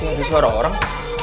gak bisa suara orang